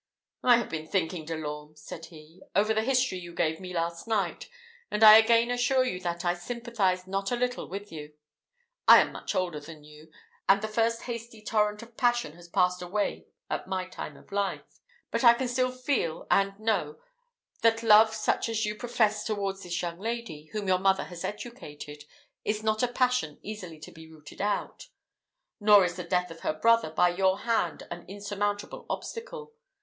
"I have been thinking, De l'Orme," said he, "over the history you gave me last night, and I again assure you that I sympathize not a little with you. I am much older than you, and the first hasty torrent of passion has passed away at my time of life; but I can still feel, and know, that love such as you profess towards this young lady, whom your mother has educated, is not a passion easily to be rooted out. Nor is the death of her brother by your hand an insurmountable obstacle.